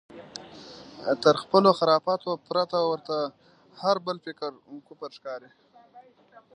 تر خپلو خرافاتو پرته ورته هر بل فکر کفر ښکاري.